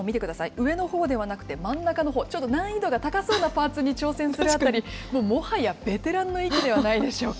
上のほうではなくて真ん中のほう、ちょっと難易度が高そうなパーツに挑戦するあたり、もう、もはやベテランの域ではないでしょうか。